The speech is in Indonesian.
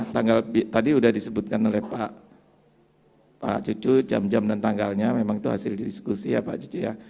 tadi sudah disebutkan oleh pak cucu jam jam dan tanggalnya memang itu hasil diskusi ya pak cucu ya